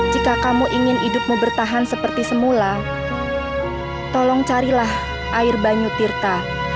jika kamu ingin hidupmu bertahan seperti semula tolong carilah air banyu tirta